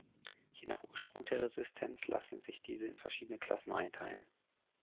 Je nach Ursprung der Resistenz lassen sich diese in verschiedene Klassen einteilen.